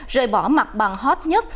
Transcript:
rời bỏ mặt bằng hot nhất